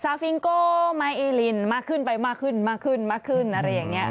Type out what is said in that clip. ซาฟิงโกไมอีลินมาขึ้นไปมาขึ้นมาขึ้นมาขึ้นอะไรอย่างนี้